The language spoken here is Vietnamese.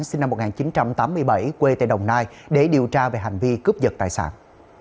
sinh năm một nghìn chín trăm tám mươi bảy quê tại đồng nai để điều tra về hành vi cướp giật tài sản